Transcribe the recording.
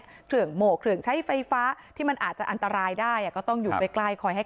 อันนี้ก็เป็นอุทาหอนไม่เป็นอะไรมากเนอะ